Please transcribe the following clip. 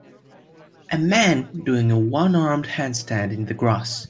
A man doing a one armed handstand in the grass.